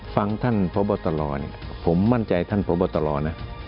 ฟังท่านพระบัตรรอเนี่ยผมมั่นใจท่านพระบัตรรอนะ